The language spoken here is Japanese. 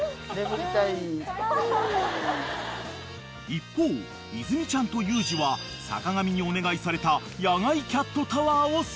［一方泉ちゃんとユージは坂上にお願いされた野外キャットタワーを製作］